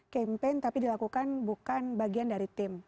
campaign tapi dilakukan bukan bagian dari tim